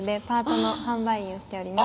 パートの販売員をしております